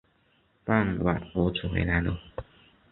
傍晚儿子回来了